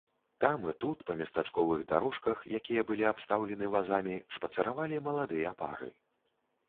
Там і тут па местачковых дарожках, якія былі абстаўлены вазамі, шпацыравалі маладыя пары.